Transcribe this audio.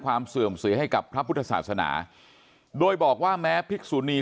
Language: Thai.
เสื่อมเสียให้กับพระพุทธศาสนาโดยบอกว่าแม้ภิกษุนี